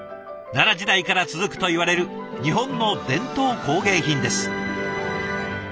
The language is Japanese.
奈良時代から続くといわれる日本の伝統工芸品です。